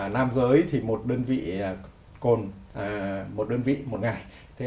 nam giới thì một đơn vị cồn một đơn vị một ngày